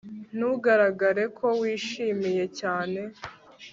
Ntugaragare ko wishimiye cyane